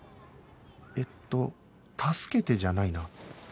えっと「たすけて」じゃないな